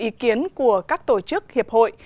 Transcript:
ý kiến của các tổ chức hiệp hội